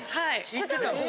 知ってたのここ？